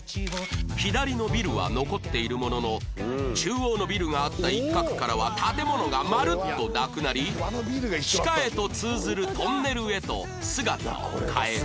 左のビルは残っているものの中央のビルがあった一角からは建物がまるっとなくなり地下へと通ずるトンネルへと姿を変えた